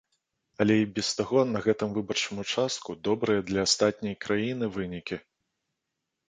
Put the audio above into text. Але і без таго на гэтым выбарчым участку добрыя для астатняй краіны вынікі.